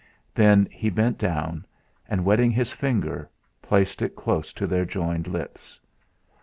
Then he bent down, and wetting his finger, placed it close to their joined lips.